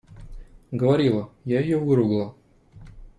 Говорила, я ее выругала.